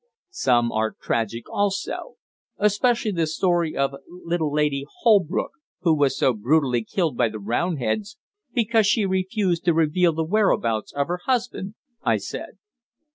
"Some are tragic also especially the story of little Lady Holbrook, who was so brutally killed by the Roundheads because she refused to reveal the whereabouts of her husband," I said.